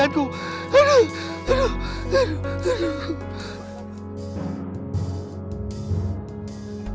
aduh aduh aduh